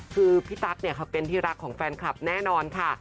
คือพี่ตั๊กเนี่ยเขาเป็นที่รักของแฟนคลับแน่นอนค่ะ